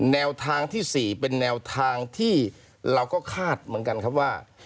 แนวทางที่๔เป็นแนวทางที่เราก็คาดเหมือนกันครับว่า